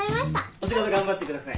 お仕事頑張ってください。